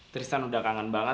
terima kasih ya ma